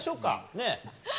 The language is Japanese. ねえ。